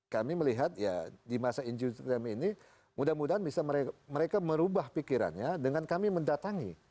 kami melihat ya di masa injurdam ini mudah mudahan bisa mereka merubah pikirannya dengan kami mendatangi